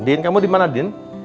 din kamu di mana din